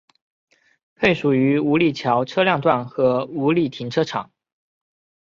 配属于五里桥车辆段和五路停车场。